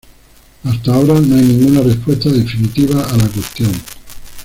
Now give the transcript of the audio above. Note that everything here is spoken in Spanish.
Hasta ahora no hay ninguna respuesta definitiva a la cuestión.